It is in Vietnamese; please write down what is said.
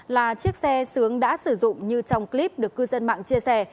là chiếc xe sướng đã sử dụng như trong clip được cư dân mạng chia sẻ